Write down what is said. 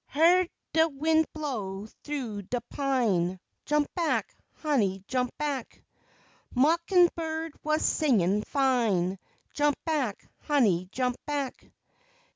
Hyeahd de win' blow thoo de pine, Jump back, honey, jump back. Mockin' bird was singin' fine, Jump back, honey, jump back.